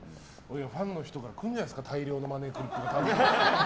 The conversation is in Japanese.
ファンの人からくるんじゃないですか大量のマネークリップ。